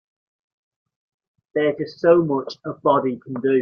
There's just so much a body can do.